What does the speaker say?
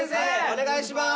お願いします！